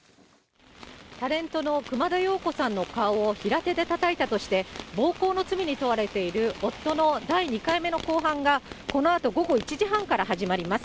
タレントの熊田曜子さんの顔を平手でたたいたとして、暴行の罪に問われている夫の第２回目の公判が、このあと午後１時半から始まります。